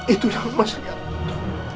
itu yang mas lihat